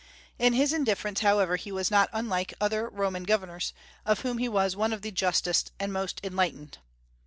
In his indifference however he was not unlike other Roman governors, of whom he was one of the justest and most enlightened.